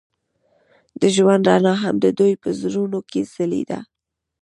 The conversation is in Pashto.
د ژوند رڼا هم د دوی په زړونو کې ځلېده.